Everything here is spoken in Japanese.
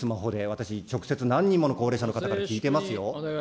私、直接何人もの高齢者の方から聞いてますよ。